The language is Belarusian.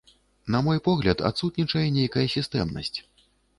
На мой погляд, адсутнічае нейкая сістэмнасць.